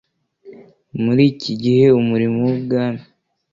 muri iki gihe umurimo w ubwami